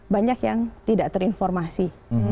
banyak yang tidak terinformasi